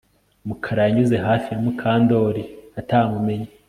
Mukara yanyuze hafi ya Mukandoli atamumenye